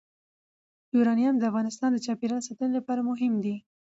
یورانیم د افغانستان د چاپیریال ساتنې لپاره مهم دي.